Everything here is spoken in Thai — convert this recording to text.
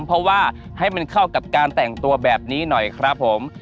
เพราะว่าให้มันเข้ากับการแต่งตัวแบบนี้หน่อยครับผม